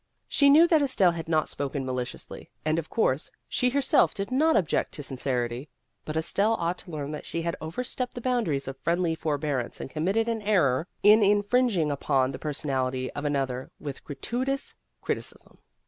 She knew that Estelle had not spoken maliciously, and of course she herself did not object to sincerity ; but Estelle ought to learn that she had over stepped the boundaries of friendly for bearance and committed an error in infringing upon the personality of an other with gratuitous criticism.